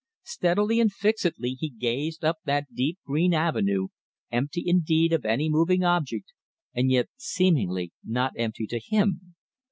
Steadily and fixedly he gazed up that deep green avenue, empty indeed of any moving object, and yet seemingly not empty to him.